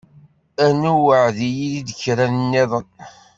Rnu weεεed-iyi-d kra nniḍen.